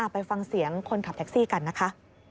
ไปฟังเสียงคนขับแท็กซี่กันนะคะ